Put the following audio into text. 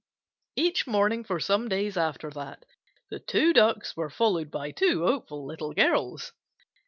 Each morning for some days after that, the two Ducks were followed by two hopeful Little Girls.